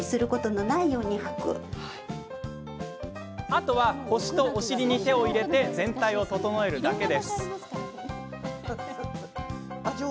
あとは、腰とお尻に手を入れて全体を整えるだけ。